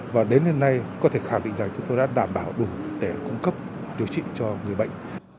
và đến hiện nay có thể khẳng định rằng chúng tôi đã đảm bảo đủ để cung cấp điều trị cho người bệnh